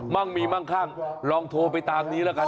่งมีมั่งคั่งลองโทรไปตามนี้แล้วกัน